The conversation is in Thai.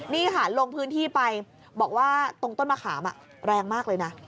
นี่ค่ะลงพื้นที่ไปบอกว่าตรงต้นมะขามแรงมากเลยนะ